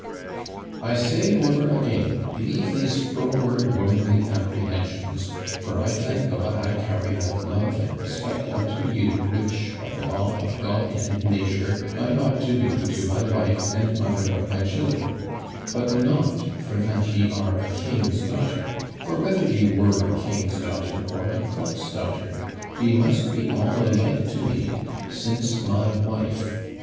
"I say over again, leave these froward womanly apprehensions, for I thank God I carry that love and respect unto you which, by the law of God and nature, I ought to do to my wife, and mother of my children; but not for that ye are a king's daughter; for whether ye were a king's daughter, or a cook's daughter, ye must be all alike to me since my wife.